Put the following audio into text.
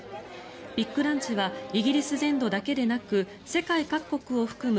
ビッグランチはイギリス全土だけでなく世界各国を含む